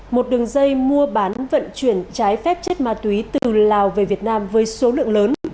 một đường dây mua bán vận chuyển trái phép chất ma túy từ lào về việt nam với số lượng lớn